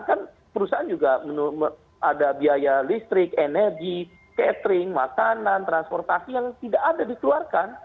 kan perusahaan juga ada biaya listrik energi catering makanan transportasi yang tidak ada dikeluarkan